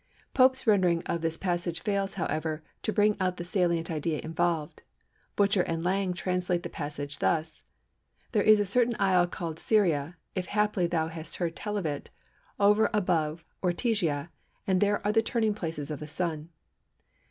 Pope's rendering of this passage fails, however, to bring out the salient idea involved. Butcher and Lang translate the passage thus:—"There is a certain isle called Syria, if haply thou hast heard tell of it, over above Ortygia, and there are the turning places of the Sun."